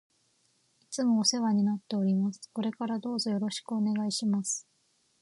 いつもお世話になっております。これからどうぞよろしくお願いします。